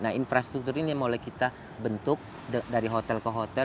nah infrastruktur ini mulai kita bentuk dari hotel ke hotel